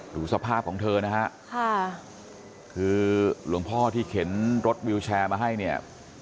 ดูสภาพของเธอนะฮะค่ะคือหลวงพ่อที่เข็นรถวิวแชร์มาให้เนี่ย